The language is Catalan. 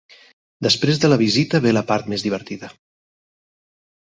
Després de la visita ve la part més divertida.